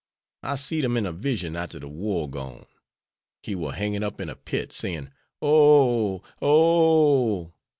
I seed him in a vision arter he war gone. He war hangin' up in a pit, sayin' 'Oh! oh!'